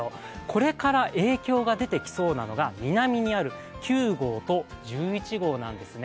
これから影響が出てきそうなのが、南にある９号と１１号なんですね。